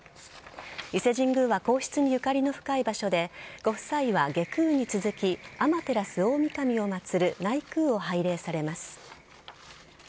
伊勢神宮は皇室に縁の深い場所でご夫妻は外宮に続き天照大御神を祭る内宮を拝礼されます。